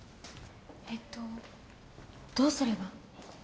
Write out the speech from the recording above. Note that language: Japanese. えっとどうすれば？